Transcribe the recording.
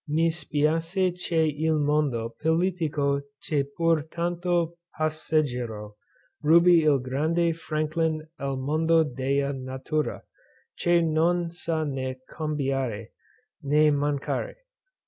_Mi spiace che il mondo politico ch'è pur tanto passeggero, rubbi il grande Franklin al mondo della natura, che non sa ne cambiare, ne mancare.